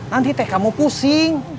nanti teh kamu pusing